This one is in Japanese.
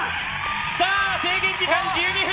さあ、制限時間１２分！